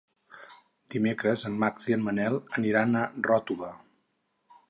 Dimecres en Max i en Manel aniran a Ròtova.